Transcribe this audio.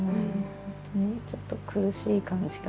本当にちょっと苦しい感じが。